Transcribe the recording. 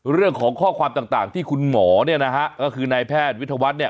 เรื่องของข้อความต่างที่คุณหมอเนี่ยนะฮะก็คือนายแพทย์วิทยาวัฒน์เนี่ย